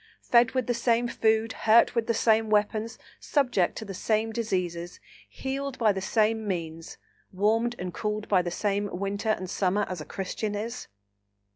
fed with the same food, hurt with the same weapons, subject to the same diseases, healed by the same means, warmed and cooled by the same winter and summer, as a Christian is?